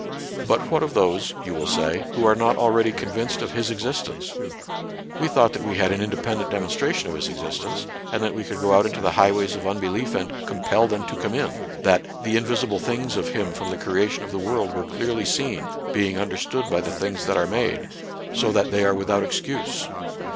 But what of those — you will say — who are not already convinced of His existence ? We thought that we had an independent demonstration of His existence, and thai we could go out into the highways of imbelief and " compel them to come in ;" that " the invisible things of Him from the creation of the world were clearly seen, being under stood by the things that are made," " so that they are without excuse."